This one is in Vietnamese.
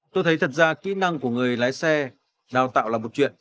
tôi thấy thật ra kỹ năng của người lái xe đào tạo